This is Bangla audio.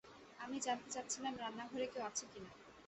আমি জানতে চাচ্ছিলাম রান্নাঘরে কেউ আছে কিনা?